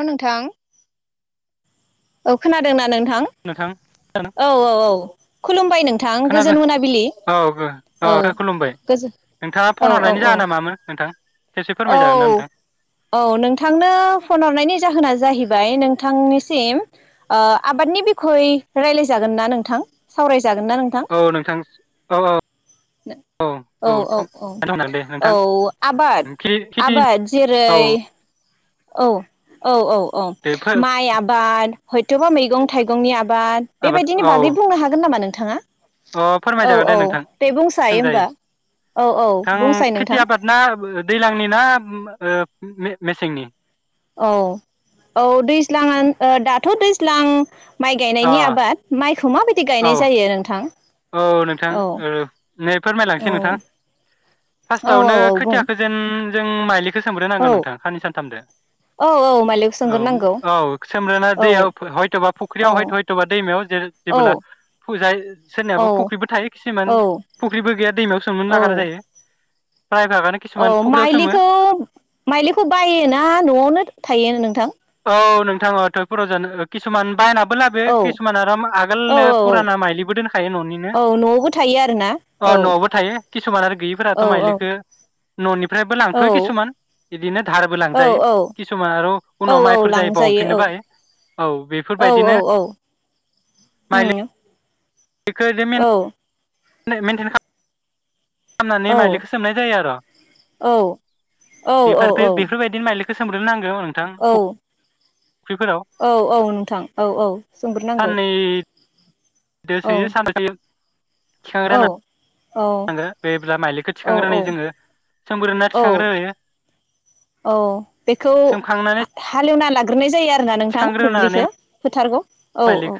ओ नोंथां औ खोनादोंना नों नोंथां औ औ औ खुलुमबाय नोंथां खोनादों गोजोन मोनाबिलि औ औ गोजोन नोंथाङा फन औ औ हरनायनि औ जाहोना मामोन नोंथां खेबसे औ फोरमायजागोन ना नोंथां औ नोंथांनो फन हरनायनि जाहोना जाहैबाय नों नोंथांनिसिम ओ आबादनि बिखय रायज्लायजागोन ना नोंथां साव जागोन ना नोंथां औ नोंथां औ औ औ औ दे नोंथां औ आबाद खेथि आबाद औ जेरै औ औ औ औ दे माइ आबाद हयथ'बा मैगं थाइगंनि आबा बा आबाद बेबायदिनि औ बागै बुंनो हागोन नामा नों नोंथाङा अ औ फोरमायजागोन दे औ नोंथां दे बुंसाय सोंजायो होमबा औ औ नोंथां बुंसाय नोंथां खेथि आबाद ना दैज्लांनि ना ओ मे-मेसेंनि औ औ दैज्लांआ दाथ' दैज्लां माइ अ गायनायनि आबाद माइखौ माबायदि औ गायनाय जायो नोंथां औ नोंथां औ नै औ फोरमायलांनोसै नोंथां औ औ फास्टआवनो औ बुं खोथियाखौ जेन जों माइलि बे औ सोमग्रोनांगोन नोंथां सानै औ औ मालिखौ सानथामसो सोंग्रोनांगौ औ सोमग्रोना औ दैयाव हयथ'बा औ फुख्रियाव हयथ'बा दैमायाव औ जे-जेबोला औ सोरनियाबा फुख्रिबो थायो खिसुमान औ फुख्रिबो गैया दैमायाव सोमनो औ नागार जायो प्राय भागानो औ किसुमान फुख्रियाव सोमो माइलिखौ माइलिखौ बायो ना न'आवनो थायो नोंथां औ नोंथाङा टयपुराव जानो किसुमान बायना थेवल्बाबो औ किसुमान आरो औ आगोलनो औ औ फुराना माइलिबो दोनखायो न'निनो औ न'आवबो थायो आरोना अ औ न'आवबो थायो किसुमान आरो गैयिफोराथ' औ औ माइलिखौ न'नि फ्रायबो औ लांथ'यो किसुमान बिदिनो धारबो औ लांजायो औ किसुमान आरो औ उनाव औ माइफोर जायोबा लांजायो औ हरफिननोबो हायो औ औ औ बेफोरबायदिनो औ माइलि उम बेखौ जे मेन औ मेनथेन खा औ खालामनानै माइलिखौ सोमनाय जायो आरो औ औ बेफारखो बेफोरबायदिनो माइलिखौ सोमग्रोनां औ औ औ नोंथां औ औ सोमबोर नांगौ दोसोयो सानसो औ नांगो बेब्ला माइलिखौ औ थिखांग्रोनि जोङो सोमग्रीरोना थिखांग्रीयो औ सोमखांनानै गीरनाय जायो आ रोना नोंथां थिखांग्रोनानै दुब्लिखौ फीथारखौ औ औ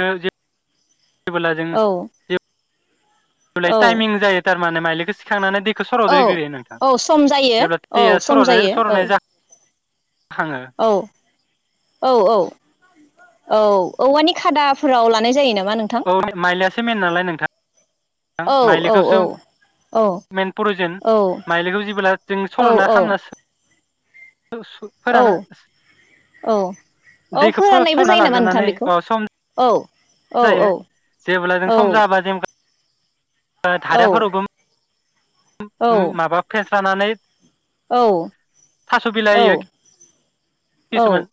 जेबीला जीं औ टाइमिं जाय़ो माने माइलिखौ सिखांनानै दैखौ औ सर'दैग्रोयो नोंथां औ सम जायो जेब्ला औ दैया सम सर' जायो औ सर'नाय जाखाङो औ औ औ औ औवानि खादाफोराव लानाय जायो नामा? नोंथां औ माइलियासो मेन नालाय नोंथां औ औ औ माइलिखौसो औ मेन पुरुजेन माइलिखौ जेब्ला जों सर'ना औ खालामनी फोरान औ औ दैखौ फ फोराननायबो सरना जायो नामा नोंथां लाग्रोनानै बेखौ सम औ औ औ जायो जेब्ला जों औ सम जाबा जेना औ धारयाफोराबी औ हम माबाब थांनानै औ थास' बिलाइ हीयी किसुमान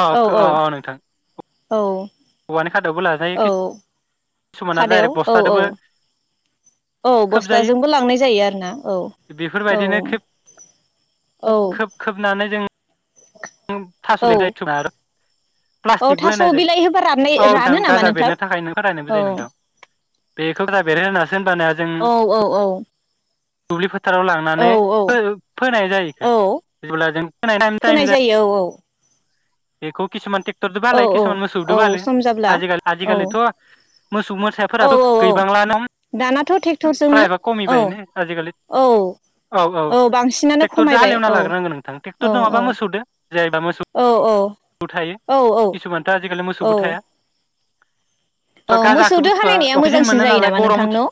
अ औ अ नोंथां औ औवानि खादायावबो लाजायो औ खि सुमाना खादायाव डाइरेक औ औ बस्थादोबो औ खोबजायो बस्थाजोंबो लांनाय जायो आरोना औ औ बेफोरबायदिनो खोब औ थास'ल औ दायथना आरो औ प्लास्टिकबो थास' होनाय बिलाइ होबा जायो राननाय औ नोंथां रानो नामा गाजा नोंथां बेरनो थाखाय नो हीनाय औ जायो नोंथां बेखौबो दा बेरायनो होना औ औ औ दुबलि फ फोथाराव औ लांनानै औ फोनाय जायी औ बेखौ जेब्ला जों फोनाय थायेम जायो बेखौ [inaudible] बेखौ खिसमान थि र औ बालाय औ कसुमान मोसौ दी बी औ हालेवी सम जाब्ला आजि औ आजिखालिथ' मोसौ मोसा औ फोराबो औ औ गैबांला ना दानाथ' ट्रेक्टरजोंनो प्रायबा औ कमिबायनो आजिकालि औ औ औ बांसिनानो टेक्टरजों खमायबाय हालेवना औ लाग्रोनांगो नोंथां औ टेक्टर औ नङाबा मोसौदो जायबा मोसौ औ [unintelligible] थायो औ किसुमानथ' आजिकालि औ मोसौबो थाया। औ गाजाखौ मोसौजों बुस्थुआ हालेवनाया मोजांसिन जायो नामा नोंथां न'?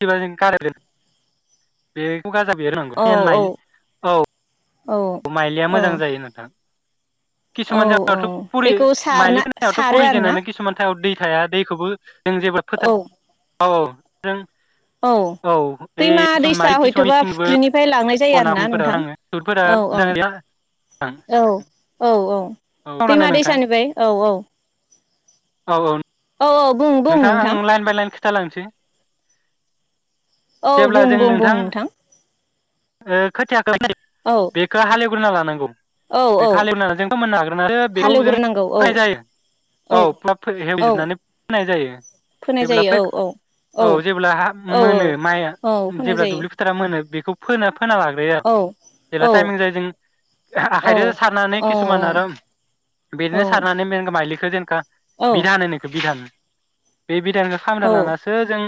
[unintelligible] खु गाजा बेरहोनांगो औ टेन औ माइल औ औ अ माइलिया औ मोजां जायो नोंथां। औ किसुमान औ जायावथ' पुरि बेखौ माइलि सारना फोनायावथ' सारो आरोना पुरिजेननो किसुमान थायआव दै थाया दैखौबो जों जेबा फोथार औ औ जों औ बे दैमा किसुमान दैसा माइ किसुमान हयथ'बा मिसिंबो फुख्रिनिफ्राय लांनाय जायो आरोना खनानिफोराव नोंथां नाङो सुटफोरा औ औ मोजाङै गैया औ औ औ सावरायनो दैमा नोंथां दैसानिफ्राय औ [unintelligible] औ औ औ औ बुं बुं नोंथां। खोथा लांसै औ बुं बुं बुं नोंथां। ओ खोथिया [unintelligible] औ बेखौ हालेव [unintelligible] लानांगौ। औ बे औ हालेवनानै जों फोमोननो हाग्रोनासो बेखौ जों हालेवग्रोनांगौ औ फोनाय औ [unintelligible] औ हेवजोबनानै फोननाय जायो फोनाय जेब्ला हा जायो फै औ औ जेब्ला हा औ मोनो माइ औ औ फोनाय जेब्ला जायो दुब्लि फोथारा मोनो बे फोनाब खोना लाग्रोयो औ जेब्ला औ टाइमिं जायो जों औ आखाइदो सारनानै औ किसुमान आरो औ बिदिनो सारनानै मेंग माइलि खोजेनखा औ बिधान होनो इखो बिधान। बेे बि बिधानखौ खामना औ लानासो जों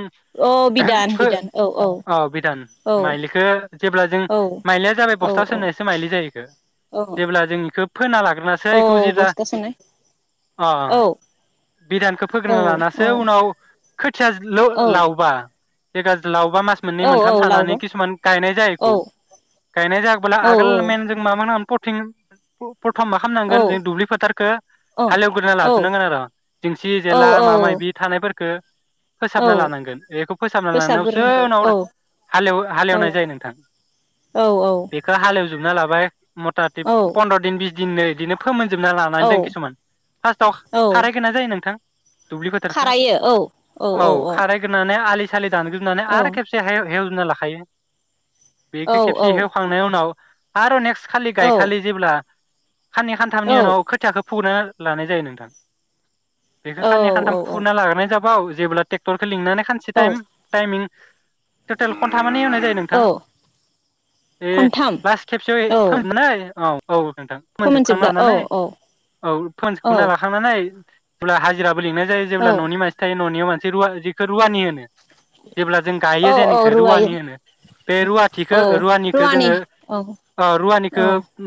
औ बिदान फो बिदान औ औ अ बिधान औ माइलिखो जेब्ला जों माइलिया जाबाय औ बस्था सोनायासो माइलि जायोखो औ जेब्ला जों इखो फोना लाग्रोनसो औ इखौ जेब्ला बस्था सोनाय अ औ बिधानखौ औ फोग्रोना लानासो औ इखो उनाव [unintelligible] खोथिया औ लोव-लावबा [unintelligible] लाव बा मास मोननै औ औ मोनथाम थानानै लावबो किसुमान गायनाय खौ औ गायनाय जागोब्ला औ आगोल औ मेन जों मा मानाम फथिं फ प्रथ'म मा औ खामनांगोन जों दुब्लि फोथारखो हालेवग्रोना औ लाजुबनांगोन आर जेंसि जेला औ औ माबा मायबि थानायफोरखो औ फोसाबना लानांगोन बेखौ फोसाबना लानायावसो फोसाबग्रोनांगौ उनाव औ हालेव औ हालेवनाय जायो नों थां औ बेखो हालेव जोबना लाबाय। मथाथि औ पन्द्र' दिन बिस दिननो इदिनो फो फोमोनजोबना लानानै दों औ किसुमान फार्स्टआव औ खारायगोना जायो नोंथां। दुब्लि फोथारखो औ खारायग्रोनानै आलि औ दानग्रोननानै आरो खेबसे हेव हेव फोना लाखायो। बेखो खेबसे हेवखांनाय उनाव आरो नेक्स खालि गायखालि जेब्ला खाननै खानथामनि उनाव खोथियाखो फुगोरना लानाय जायो नोंथां। बेखौ खानै खान्थाम औ औ फुना लाग्रोनाय जाब औ जेब्ला टेक्टरखौ लिंनानै खानसे औ टाइम टाइमिं टटेल खन्थामानो हेवनाय जायो नोंथां। औ ए खनथाम लास खेबसेयाव औ फो मोनाय औ। औ नोंथां फोमोनजोबखांना फोमोनजोबला औ लानानै औ औ फोनजोबखांना औ लाखांनानै अब्ला हाजिरा बो लिंनाय औ जेब्ला न'नि मानसि थायो न'नियाव मान [unintelligible] इखो रुवानि होनो। जेब्ला जों औ गायो औ जेनिखौ रुवायो रुवानि होनो। बे रूवाथिखो औ रूवानिखो रुवानि जोङो औ ओ औ रूवानिखो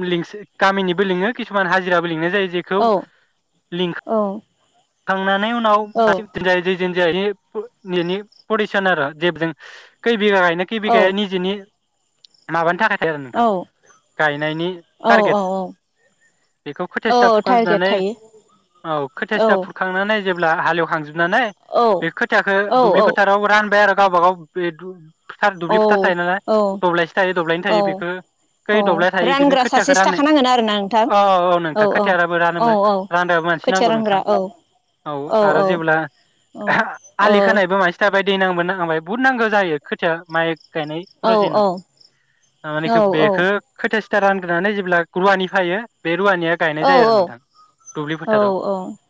लि स गामिनिबो लिङो किसुमान हाजिराबो लिङो। जाय जेखौ औ लिं औ थांना नाय उनाव [unintelligible] [unintelligible] [unintelligible] नि माबानि थाखाय आरो औ नोंथां गायनायनि टारगेट औ बेखौ खोथिया सिथा औ टारगेट फुखांजोबनानै थायो औ खोथिया औ सिथा फुरखांनानै जेब्ला हाल एवखांजोब नानै बे खोथियाखो औ दुब्लि फोथाराव रानबाय आरो गावबा गाव बे दुब फोथार दुब्लिफोथार खोथा थायो नालाय औ औ दब्लायसे थायो दब्लायनै थायो औ बेखौ औ खै दब्लाय थायो बिदिनो रानग्रा खोथियाखौ सासेसो राननो थाखानांगोन आरोना नोंथां औ औ नोंथां खोथिया राबो औ रानोमोन औ रानदाबो मानसि खोथिया नांगौ रानग्रा नोंथां औ औ आरो जेब्ला औ औ आलि खोनायबो मानसि थाब दै नांबो नांहांबाय बहुद नांगौ जायो खोथाया माइक गायनाय प्रजिनाव ओ बेखो बेखौ खैथिया सि खोथिया रानग्रोनानै जेब्ला रुवानि फायो बे रुवानिया गायनाय जायो आरो नोंथां दुब्लि फोथाराव। औ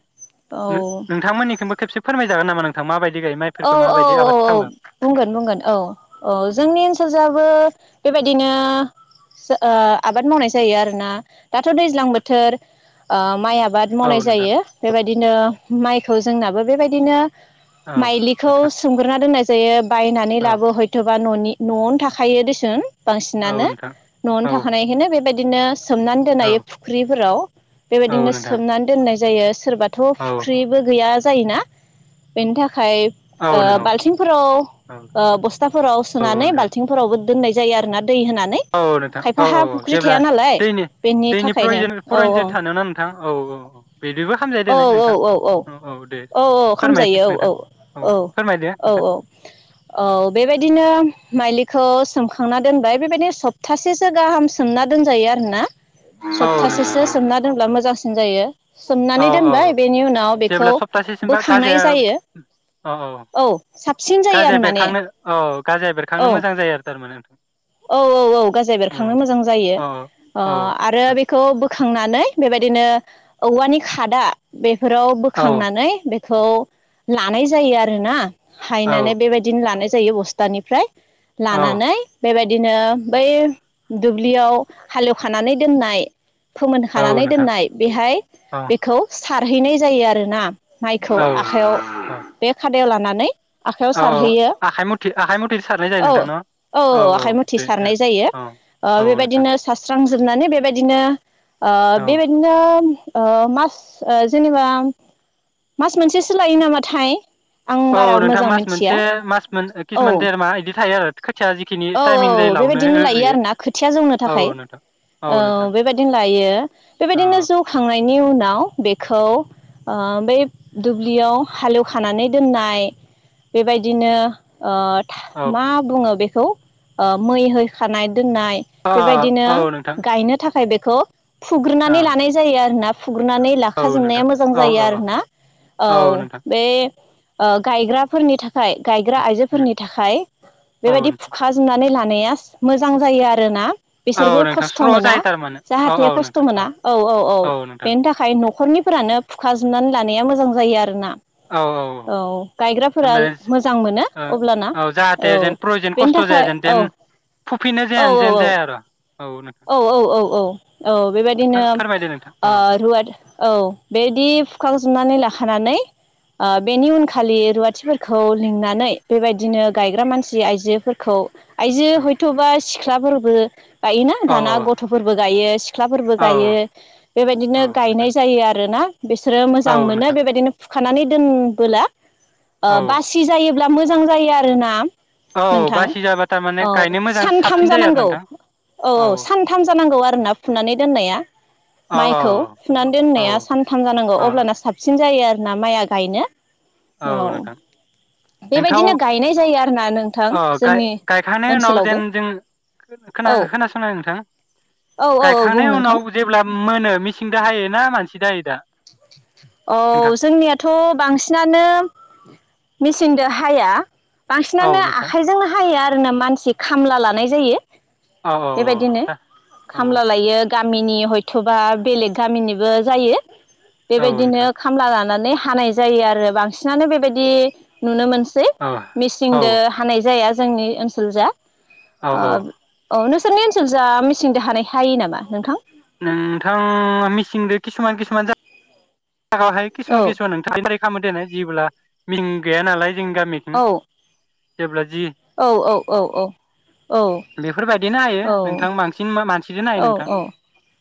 नो-नोंथांमोननिथिंबो खेबसे फोरायजागोन नामा नोंथां माबायदि गायो औ माइफोरखौ औ माबायदि औ आबाद औ खालामो? बुंगोन बुंगोन औ अ। औ जोंनि ओनसोलजाबो बेबायदिनो जो ओ आबाद मावनाय जायो आरोना दाथ' दैज्लां बोथोर ओ माइ आबाद बाद औ मावनाय नोंथां जायो बेबायदि बिदिनो माइखौ जोंनाबो बेबायदिनो औ माइलिखौ नोंथां सोमग्रोना दोननाय जायो। बायनानै औ लाबो हयथ' बा न'नि न'आवनो थाखायो देसोन औ बांसिनानो नोंथां न'आवनो औ थाखानायखायनो बेबायदि दिनो सोमनानै औ दोनायो फुख्रिफोराव औ बेबायदिनो नोंथां सोमनानै दोननाय जायो। सोरबाथ' औ फुख्रिबो गैया जायोना बेनि थाखाय आाय औ ओ नोंथां बालथिंफोराव औ ओ बस्थाफोराव सोनानै बाल्थिंफोरावबो दोननाय जायो आरो ना। औ नोंथां औ औ औ जेब्ला थाया नालाय दैनि बेनि दैनि थाखायनो औ प्रयजन थान ना नोंथां औ औ औ बिदिबो खालामामजायो देै नोंथां औ औ दे औ फोरमायथों खामजायो औ नोंथां। औ फोरमायदो औ नोंथां औ औ बेबायदिनो माइलिखौ। सोमखांना दोनबाय बेबायदि सप्तासेसो गाहाम सोमना दोनजायो आरो ना। औ नोंथां सप्तासेसो औ सोमना दोनब्ला मोजां। जायो। औ सोमनानै दोनबाय औ बेनि उनाव बेखौ जेब्ला सप्तासेसिमबा बोखांनाय गाजाया जायो। औ औ साबसिन जायो गाजाया आरो माने बेरखांनो औ गाजाया बेरखांनो औ मोजां जायो आरो थारमाने नोंथां। औ औ औ गाजै बेरखांनो उम मोजां जायो औ ओ औ आरो बेखौ। खोंनानै बेबायदिनो औवानि खादा बे। फोराव बोखांनानै बे। खौ लानाय जायो आरो ना। औ हायनानै बेबायदिनो लानाय। जायो बस्थानिफ्राय। लानानै। औ बेबायदिनो बै दुब्लियाव हालेवखानानै दोननाय। फोमोन औ हानानै नोंथां दोननाय बेहाय औ बेखौ। सारहैनाय जायो आरोना। माइखौ औ आखाइयाव औ बे। खादायाव लानानै। आखाइयाव औ औ सारहैयो आखाइ मथे आखाइ मथेसो सारनाय जायो नोंथां न। औ औ आखाय मुथिजों सारनाय जायो ओ औ नोंथां बेबादिनो। थांजोबनानै बेबायदिनो। ओ औ बेबायदिनो। ओ मास जेनेबा मास मोनसेसो लायो नामाथाय। आं औ बारा नोंथाङा मोजां मास मिथिया मोनसे मास मोन औ किसुमान देर मा बिदि थायो आरो। खोथिया जिखिनि औ टाइमिं जायो औ लावनो बेबायदिनो लायो होग्रोयो आरो ना खोथिया जौनो थाखाय औ नोंथां औ नोंथां बेबायदिनो लायो बेबायदिनो औ जौखांनायनि उनाव। बेखौ बै दुब्लियाव हालेव। खानानै दोननाय। बेबायदिनो ओ। औ मा बुङो बे। खौ। ओ मै है खानायद दोननाय अ बेबायदिनो औ नोंथां गायनो थाखाय बेख खौ औ फुग्रोनानै लानाय जायो आरोनाब फुग्रोननानै औ लाखाजोबनाया नोंथां मोजां औ जायो औ आरोना औ बे ओ गायग्राफोरनि थाख खाय गायग्रा उम उम आइजोफोरनि थाखाय बेबायदि औ फुख जोबनानै लानायास मोजां जायो आरोना? औ बिसोरबो नोंथां खस्थ स्र' मोना जायो थारमाने औ औ जाहाथे खस्थ नोंथां मोना औ औ औ बेनि थाखाय न'खरनि फोरानो फुखाजोबनानै लानाया मोजां जायो आरो ना? औ औ गायग्राफोरा ओमफ्राय मोजां मोनो अब्लाना औ थ जाया थाखाय जेन औ जेथेन फुफिनो औ जाया औ जेन औ जाया आर औ औ औ औ औ बेबायदिनो नोंथां फोरमायदो नोंथां ओ औ रुवाद औ बेदि फुखजोबनानै लाखानानै ओ बेनि उनखालि रुवाथिफोरखौ लिंनानै बेबायदिनो गायग्रा मानसि आइजोफोरखौ आयजो हयथ'बा सिख सिख्लाफोरबो बाय औ दाना गथ'फोरबो गायो। ख्लाफोरबो औ गायो बेबायदिनो औ नोंथां गायनाय जायो आरोना? बिसोरो औ मोजां मोनो नोंथां बेबायदिनो फद खानानै दोनबोला ओ औ बासि जायोब ब्ला मोजां जायो आरोना? औ नोंथां बासि जाब्ला थारमाने औ गायनो मोजां सानथाम साबसिन जायो आरो जानांगौ नोंथां। औ औ सानथाम जानांगौ आरोना फुनानै दोननाया औ माइखौ फुनानै औ दोननाया सानथाम जानांगौ औ अब्लाना साबसिन सिन जायो आरो ना माइआ गायनो। औ नोंथां बेबायदिनो गायनाय जायो आरोना नोंथां अ जोंनि गायखांनायनि उनाव ओनसोलावबो औ खोनादो नोंथां? औ औ औ बुं गायखांनायनि नोंथां उनाव जेब्ला मोनो मिसिं दो हायोना मानसि दो हायो दा? औ नोंथां? जोंनियाथ' बांसिनानो मेसिनदो हाया। औ बांसिनानो नोंथां आखायजोंनो हायो आ जोंना मानसि खामला लानाय जायो औ औ औ बेबायदिनो दा औ खामला लायो गामिनि हयथ'बा बेलेग गामिनिबो जायो बेबायदिनो नोंथां खामला लानानै हानाय जायो आरो बांसिनानो बेबायदि नुनो मोन सै औ औ मिसिंदो हानाय जाया जोंनि ओनसोल जा औ ओ औ औ नोंसोरनि ओनसोल जा मिसिं दो हानाय हायो नामा नोंथां नोंथां मिसिंदो किसुमान किसुमान जागावहाय किसुन औ किसुमान नोंथांनिफ्राइ [unintelligible] दोननो जेब्ला मिं गैया नालाय जों गामिथिं औ जेब्ला जि औ औ औ बेफोरबायदिनो हायो औ नोंथां बांसिन मानसिजोंनो हायो औ नोंथां औ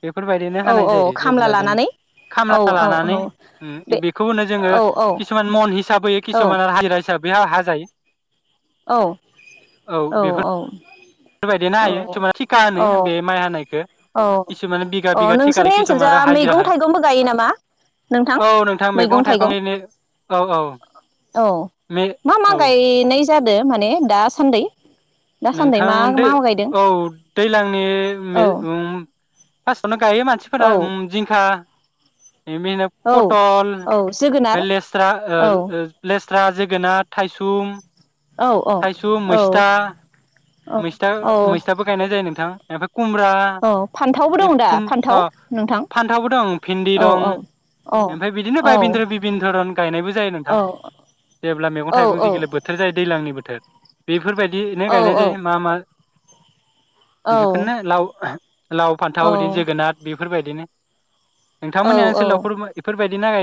बेफोरबायदिनो औ हानाय औ जायो खामला जेब्ला जों लानानै औ खामला औ लानानै औ बे बेखौनो जोङो औ औ किसुमान मन हिसाबै औ किसुमान हाजिरा हिसा हिसाबै हा-हाजायो औ औ औ बेबायदिनो हायो खिसुमान थिखा होनो बे माइ हानायखो औ औ किसुमान बिगा अ बिगा थिखा नोंसोरनि किसुमान ओनसोलजा आरो हाजिरा मैगं थाइगंबो गायो नामा नोंथां हो औ नोंथां मैगं थाइगंनो औ औ मे औ जादों माने दासान्दै दासान्दै नोंथां मा दै मा गायदों औ दैज्लांनि औ मे उम हा साना गायो औ मानसिफोरा उम जिंखा बेनो औ पटल औ फ्राय जोगोनार लेस्रा आ ओ औ आ लेस्रा, जोगोनार, थाइसुम औ थाइसुम, औ मैस्था औ मैस्था औ मैस्थाबो गायनाय जायो नों नोंथां कुमब्रा औ फान्थावबो दं दा फान्थाव अ नोंथां फान्थावबो दं भिन्दि औ दं औ ओमफ्राय बिदिनो औ बायबिन धर भिबिन धरन गायनायबो जायो औ नोंथां जेब्ला मैगं औ थाइगं जिगिल बोथोर जायो दैज्लांनि बो थोर बेफोरबायदि नानै गायनाय जायो औ मा मा बेफोरनो लाव लाव फान्थाव बिदिनो जोगोनार बिब बेफोर बायदिनो औ नोंथांमोननि औ ओनसोलावफोर इफोर [unintelligible]